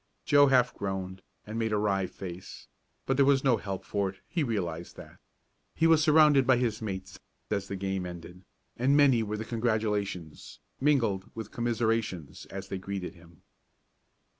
Joe half groaned, and made a wry face, but there was no help for it, he realized that. He was surrounded by his mates, as the game ended, and many were the congratulations, mingled with commiserations, as they greeted him.